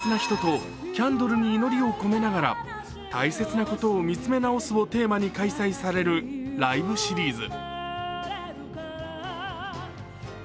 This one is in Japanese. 大切な人とキャンドルに祈りを込めながら大切なことを見つめ直すをテーマに開催されるライブシリーズ。